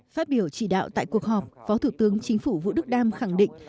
phát biểu chỉ đạo tại cuộc họp phó thủ tướng chính phủ vũ đức đam khẳng định